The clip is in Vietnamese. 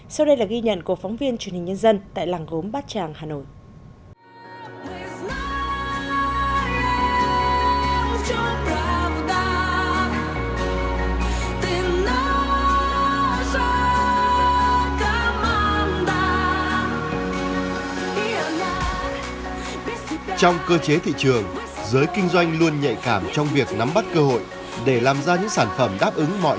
sau đây là ghi nhận của phóng viên truyền hình nhân dân tại làng gốm bát tràng hà nội